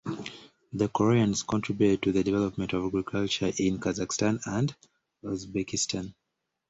The Koreans contributed to the development of agriculture in Kazakhstan and Uzbekistan.